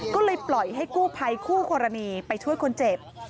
ก็เลยปล่อยให้กู้ภัยคู่กรณีไปช่วยคนเจ็บ